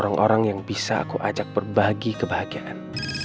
orang orang yang bisa aku ajak berbagi kebahagiaan